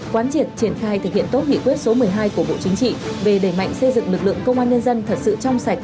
quán triệt triển khai thực hiện tốt nghị quyết số một mươi hai của bộ chính trị về đẩy mạnh xây dựng lực lượng công an nhân dân thật sự trong sạch